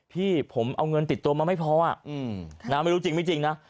พี่ผมเอาเงินติดตัวมาไม่พออ่ะนะไม่รู้จริงนะ